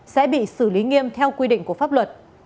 sẽ bị xử lý nghiêm theo quy định của pháp luật